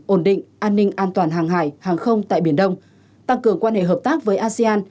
ổn định an ninh an toàn hàng hải hàng không tại biển đông tăng cường quan hệ hợp tác với asean